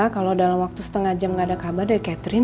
kalau dalam waktu setengah jam gak ada kabar dari catherine